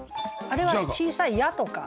あれは小さい「ゃ」とか。